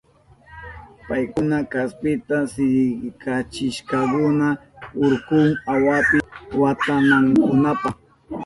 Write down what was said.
Paykuna kaspita sikachishkakuna urkun awapi watanankunapa.